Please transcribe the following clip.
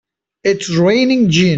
It's raining gin!